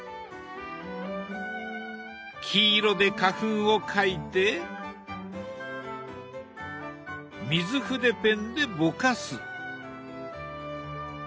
黄色で花粉を描いて水筆ペンでぼかす。